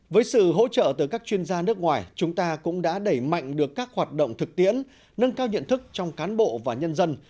với sự hỗ trợ từ các chuyên gia nước ngoài chúng ta cũng đã đẩy mạnh được các hoạt động thực tiễn nâng cao nhận thức trong cán bộ và nhân dân